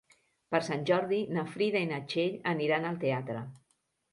Per Sant Jordi na Frida i na Txell aniran al teatre.